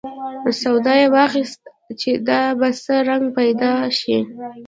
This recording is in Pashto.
سودا یې واخیست چې دا به څه رنګ پیدا شي.